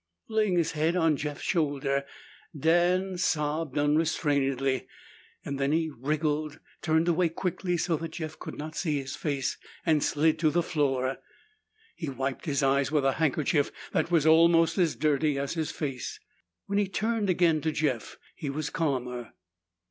Laying his head on Jeff's shoulder, Dan sobbed unrestrainedly. Then he wriggled, turned away quickly so that Jeff could not see his face, and slid to the floor. He wiped his eyes with a handkerchief that was almost as dirty as his face. When he turned again to Jeff, he was calmer.